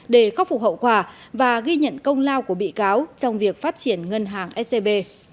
để khắc phục hậu quả và ghi nhận công lao của bị cáo trong việc phát triển ngân hàng scb